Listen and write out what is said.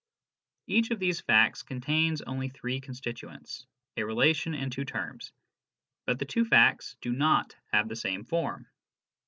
Each of these facts ijontains only three constituents, a relation and two terms; but the two facts do not have the same form.